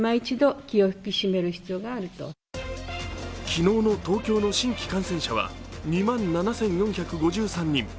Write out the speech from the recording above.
昨日の東京の新規感染者は２万７４５３人。